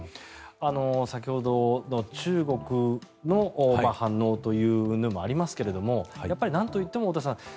先ほど、中国の反応といううんぬんもありますけどなんといっても太田さん